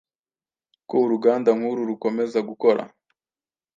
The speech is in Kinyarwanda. ko uruganda nk’uru rukomeza gukora. "